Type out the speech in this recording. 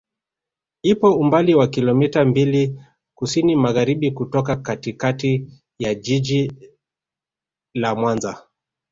Ipo umbali wa kilomita mbili kusini magharibi kutoka katikati ya jiji la Mwanza